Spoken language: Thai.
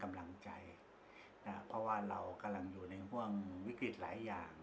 กำลังใจนะเพราะว่าเรากำลังอยู่ในห่วงวิกฤตหลายอย่าง